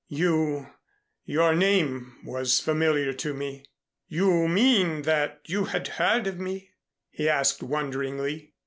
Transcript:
You your name was familiar to me." "You mean that you had heard of me?" he asked wonderingly.